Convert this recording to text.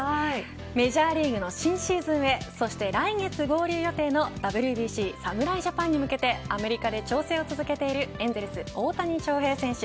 メジャーリーグの新シーズンへそして来月合流予定のＷＢＣ侍ジャパンに向けてアメリカで調整を続けているエンゼルス、大谷翔平選手